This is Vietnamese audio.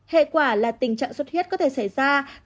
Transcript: hệ quả là tình trạng xuất huyết có thể xảy ra